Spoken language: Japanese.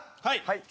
はい。